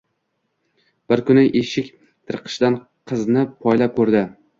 Bir kuni eshik tirqishidan qizini poylab koʻrdi.